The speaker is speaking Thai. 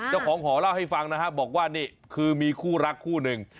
เจ้าของหอเล่าให้ฟังนะครับบอกว่านี่คือมีคู่รักคู่หนึ่ง